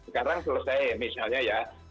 sekarang selesai misalnya ya